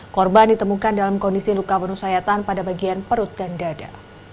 korban ditemukan dalam kondisi luka penuh sayatan pada bagian perut dan dada